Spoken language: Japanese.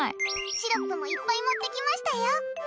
シロップもいっぱい持ってきましたよ。